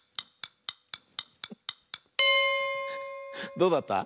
どうだった？